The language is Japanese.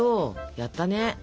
やったね。